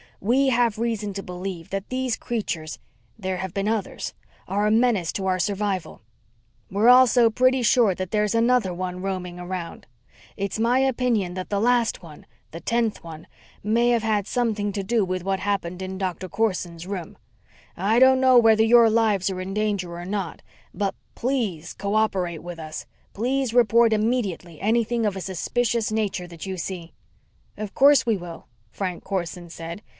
We have reason to believe that these creatures there have been others are a menace to our survival. We're also pretty sure that there's another one roaming around. It's my opinion that the last one, the tenth one, may have had something to do with what happened in Dr. Corson's room. I don't know whether your lives are in danger or not, but please co operate with us. Please report immediately anything of a suspicious nature that you see." "Of course, we will," Frank Corson said.